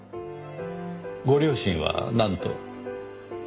ご両親はなんと？